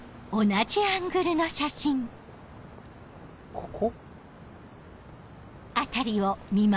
ここ？